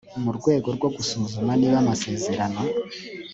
mu rwego rwo gusuzuma niba amasezerano